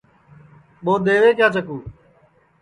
ٻو دؔیوے کیا چکُو